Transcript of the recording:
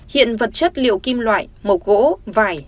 hiện vật chất liệu kim loại mộc gỗ vải